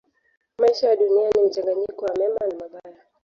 Maisha ya Dunia ni mchanganyiko wa mema na mabaya.